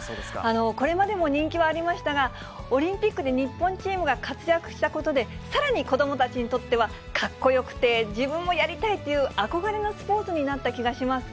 これまでも人気はありましたが、オリンピックで日本チームが活躍したことで、さらに子どもたちにとっては、かっこよくて自分もやりたいっていう憧れのスポーツになった気がします。